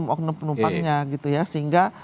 oknum penumpangnya gitu ya sehingga